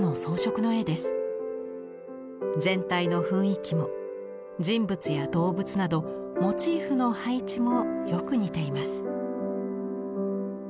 全体の雰囲気も人物や動物などモチーフの配置もよく似ています。